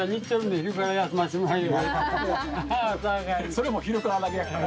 それも昼からだけやから。